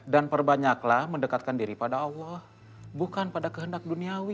dan perbanyaklah mendekatkan diri pada allah bukan pada kehendak duniawi